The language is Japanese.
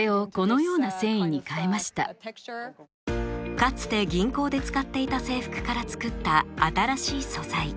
かつて銀行で使っていた制服から作った新しい素材